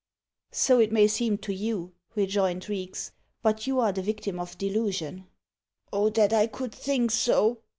"So it may seem to you," rejoined Reeks; "but you are the victim of delusion." "Oh that I could think so!"